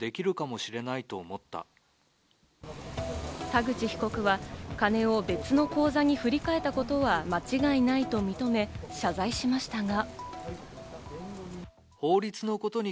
田口被告は金を別の口座に振り替えたことは間違いないと認め、謝罪しましたが。